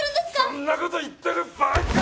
そんなこと言ってる場合か！